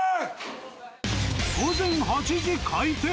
午前８時開店。